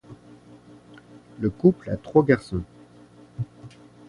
Le couple a trois garçons.